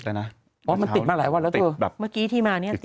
เพราะมันติดมาหลายวันแล้วเธอแบบเมื่อกี้ที่มาเนี้ย